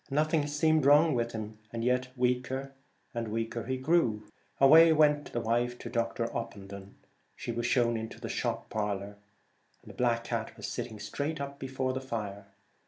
Nothing seemed wrong with him, yet weaker and weaker he grew. Away went the wife to Dr. Opendon. She was shown into the shop parlour. A black cat was sitting straight up before the fire.